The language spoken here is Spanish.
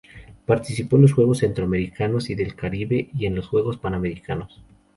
Participó en Juegos Centroamericanos y del Caribe y en los Juegos Panamericanos.